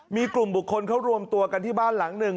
มีกลุ่มบุคคลเขารวมตัวกันที่บ้านหลังหนึ่ง